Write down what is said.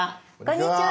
こんにちは。